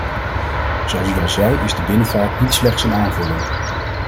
Zoals u al zei is de binnenvaart niet slechts een aanvulling.